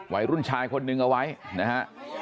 วัยรุ่นชายคนนึงเอาไว้นะฮะ